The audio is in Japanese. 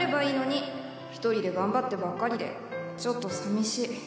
一人で頑張ってばっかりでちょっとさみしい。